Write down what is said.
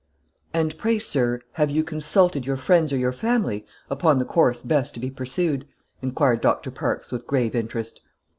"And pray, sir, have you consulted your friends or your family upon the course best to be pursued?" inquired Dr. Parkes, with grave interest.